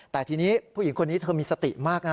แต่ทีนี้ผู้หญิงคนนี้เธอมีสติมากนะ